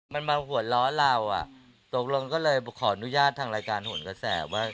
มันมาหัวล้อเราอ่ะตกลงก็เลยขออนุญาตทางรายการหนกระแสว่า